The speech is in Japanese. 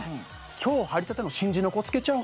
今日入りたての新人の子つけちゃおう。